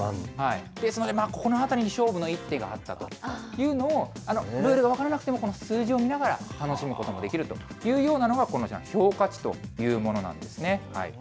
ですので、ここのあたりに勝負の一手があったというのを、ルールが分からなくても、この数字を見ながら楽しむこともできるというようなのがこの評価値というものなんですね。